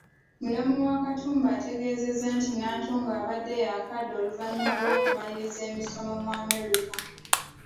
Mulamu wa Katumba ategeezezza nti Nantongo abadde yaakadda oluvannyuma lw’okumaliriza emisomo mu Amerika.